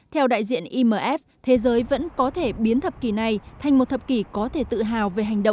theo đại diện imf thế giới vẫn có thể biến thập kỷ này thành một thập kỷ có thể tự hành